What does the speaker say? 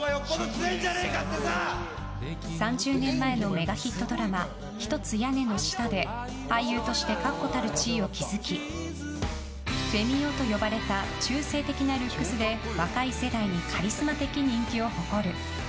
３０年前のメガヒットドラマ「ひとつ屋根の下」で俳優として確固たる地位を築きフェミ男と呼ばれた中性的なルックスで若い世代にカリスマ的人気を誇る。